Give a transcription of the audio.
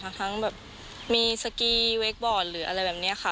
ทั้งแบบมีสกีเวคบอร์ดหรืออะไรแบบนี้ค่ะ